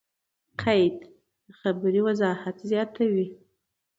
قید؛ د خبري وضاحت زیاتوي.